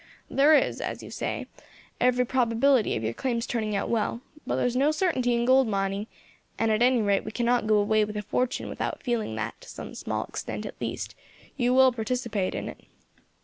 There is, as you say, every probability of your claims turning out well; but there's no certainty in gold mining, and at any rate we cannot go away with a fortune without feeling that, to some small extent at least, you will participate in it.